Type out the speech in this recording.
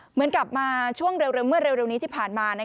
เหมือนกลับมาช่วงเร็วเมื่อเร็วนี้ที่ผ่านมา